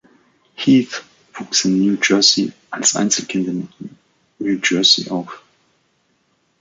Heath wuchs in New Jersey als Einzelkind in New Jersey auf.